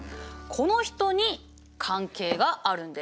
この人に関係があるんです。